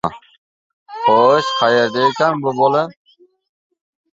— Xo‘sh, qayerda ekan, bu bola?